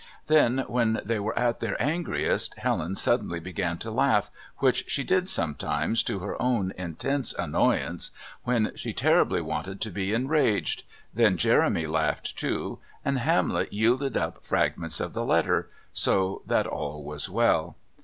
Then, when they were at their angriest, Helen suddenly began to laugh which she did sometimes, to her own intense annoyance, when she terribly wanted to be enraged, then Jeremy laughed too, and Hamlet yielded up fragments of the letter so that all was well.